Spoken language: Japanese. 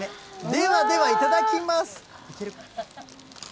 ではでは、いただきます。